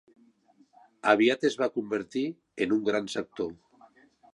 Aviat es va convertir en un gran sector.